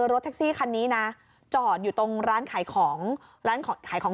รถแท็กซี่คันนี้นะจอดอยู่ตรงร้านขายของร้านขายของ